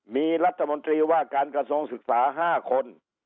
มีรัฐมนตรีว่าการกระทรวงศึกษา๕คน